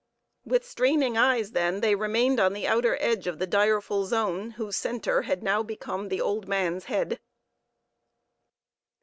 With straining eyes, then, they remained on the outer edge of the direful zone, whose centre had now become the old man's head.